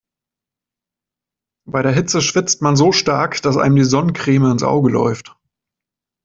Bei der Hitze schwitzt man so stark, dass einem die Sonnencreme ins Auge läuft.